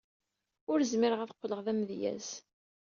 Ur zmireɣ ad qqleɣ d amedyaz.